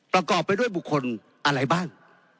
ประกอบไปด้วยบุคคลอะไรบ้าง